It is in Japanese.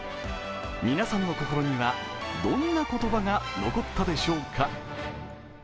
皆さんの心にはどんな言葉が残ったでしょうか。